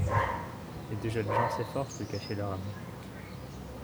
Les deux jeunes gens s'efforcent de cacher leur amour...